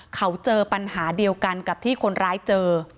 เขาเจอปัญหาเดียวกันกับที่คนร้ายเจอ